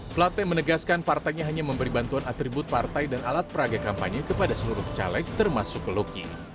plate menegaskan partainya hanya memberi bantuan atribut partai dan alat peraga kampanye kepada seluruh caleg termasuk peluki